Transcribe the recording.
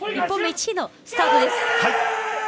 １本目１位のスタートです。